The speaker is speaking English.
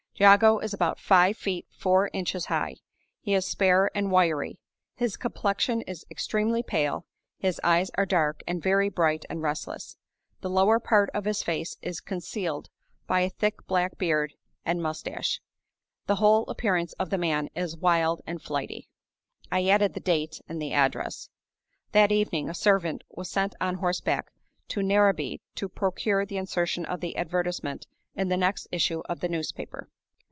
Jago is about five feet four inches high. He is spare and wiry; his complexion is extremely pale, his eyes are dark, and very bright and restless. The lower part of his face is concealed by a thick black beard and mustache. The whole appearance of the man is wild and flighty. I added the date and the address. That evening a servant was sent on horseback to Narrabee to procure the insertion of the advertisement in the next issue of the newspaper.